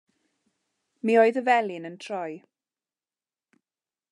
Mi oedd y felin yn troi.